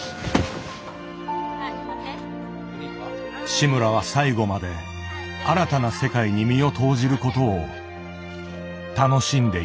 志村は最後まで新たな世界に身を投じることを楽しんでいた。